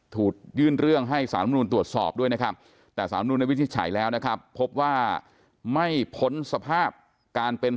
ถูกยื่นเรื่องให้สารมนุนตรวจสอบด้วยแต่สารมนุนในวิธีฉายแล้วพบว่าไม่ผลสภาพการเป็น